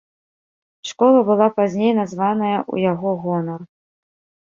Школа была пазней названая ў яго гонар.